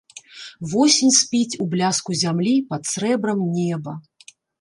Восень спіць у бляску зямлі пад срэбрам неба.